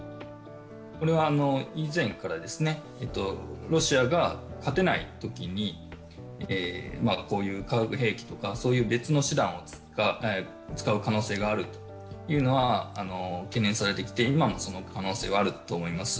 以前からロシアが勝てないときに、こういう化学兵器とか別の手段を使う可能性があるというのは懸念されてきて、今もその可能性はあると思います。